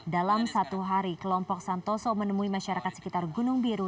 dalam satu hari kelompok santoso menemui masyarakat sekitar gunung biru